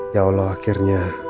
ya allah akhirnya